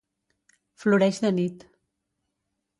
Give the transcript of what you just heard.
Floreix de nit.